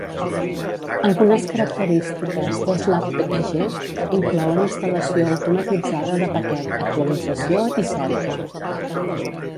Algunes característiques de slackpkg inclouen instal·lació automatitzada de paquet, actualització i cerca.